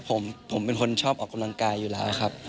ผมเป็นคนชอบออกกำลังกายอยู่แล้วครับ